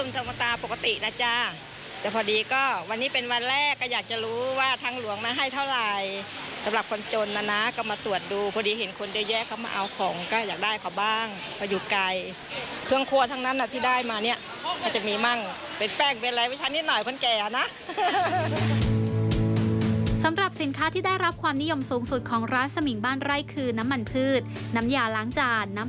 สำหรับสินค้าที่ได้รับความนิยมสูงสุดของราชาชน์